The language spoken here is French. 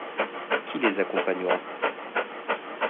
Qui les accompagnera ?